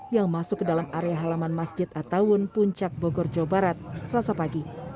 yang masuk ke dalam area halaman masjid attawun puncak bogor jawa barat selasa pagi